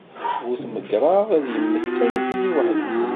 Bu tmegraḍ ad yemmet kan i tili weḥd-s.